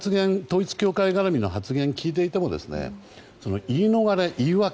統一教会絡みの発言を聞いていても言い逃れ、言い訳